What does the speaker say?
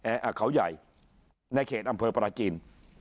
เขาใหญ่ในเขตอำเภอปราจีน